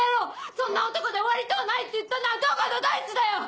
そんな男で終わりとうない」って言ったのはどこのどいつだよ！